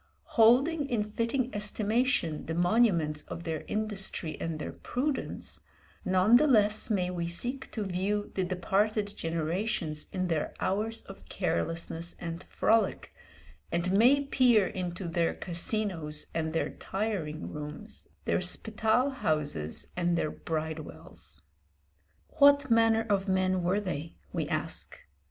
Holding in fitting estimation the monuments of their industry and their prudence, none the less may we seek to view the departed generations in their hours of carelessness and frolic, and may peer into their casinos and their tiring rooms, their spital houses and their bridewells. What manner of men were they? we ask.